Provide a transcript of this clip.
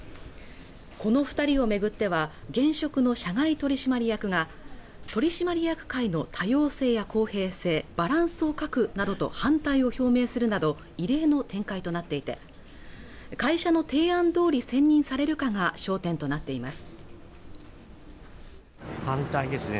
この二人を巡っては現職の社外取締役が取締役会の多様性や公平性バランスを欠くなどと反対を表明するなど異例の展開となっていて会社の提案どおり選任されるかが焦点となっています